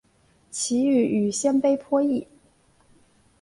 其语与鲜卑颇异。